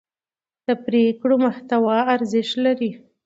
د پرېکړو محتوا ارزښت لري